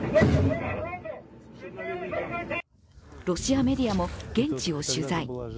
ロシアメディアも現地を取材。